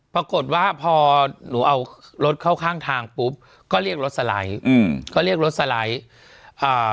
ปรากฏว่าพอหนูเอารถเข้าข้างทางปุ๊บก็เรียกรถสไลด์อืมก็เรียกรถสไลด์อ่า